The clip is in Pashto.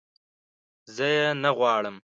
زه یې نه غواړم